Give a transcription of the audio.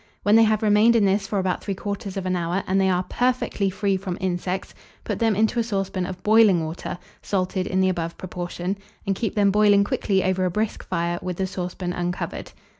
When they have remained in this for about 3/4 hour, and they are perfectly free from insects, put them into a saucepan of boiling water, salted in the above proportion, and keep them boiling quickly over a brisk fire, with the saucepan uncovered.